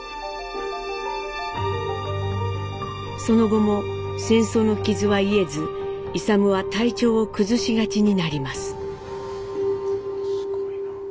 その後も戦争の傷は癒えず勇は体調を崩しがちになります。